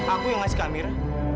aku yang ngasih ke amira